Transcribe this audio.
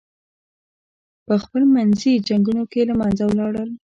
پخپل منځي جنګونو کې له منځه ولاړل.